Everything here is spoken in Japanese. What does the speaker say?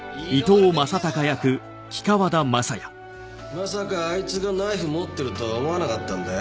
まさかあいつがナイフ持ってるとは思わなかったんだよ。